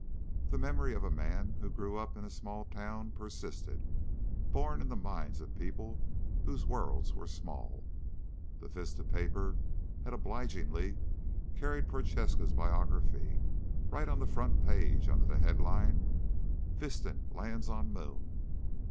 The memory of a man who grew up in a small town persisted, borne in the minds of people whose worlds were small. The Vista paper had obligingly carried Prochaska's biography, right on the front page, under the headline: VISTAN LANDS ON MOON.